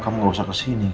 kamu gak usah kesini